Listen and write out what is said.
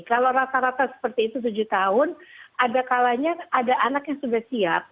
kalau rata rata seperti itu tujuh tahun ada kalanya ada anak yang sudah siap